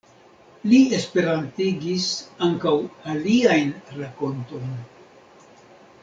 Li esperantigis ankaŭ aliajn rakontojn.